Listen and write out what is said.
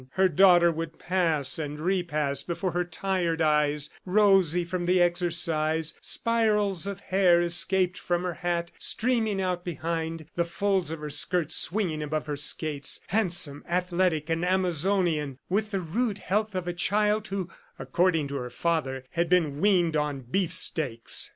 ... Her daughter would pass and repass before her tired eyes, rosy from the exercise, spirals of hair escaped from her hat, streaming out behind, the folds of her skirt swinging above her skates handsome, athletic and Amazonian, with the rude health of a child who, according to her father, "had been weaned on beefsteaks."